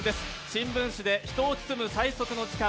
新聞紙で人を包む最速の時間。